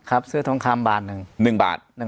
ครับซื้อทองคำบาทหนึ่งหนึ่งบาท